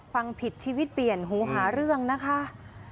ฟังผิดชีวิตเปลี่ยนหูหาเรื่องนะคะ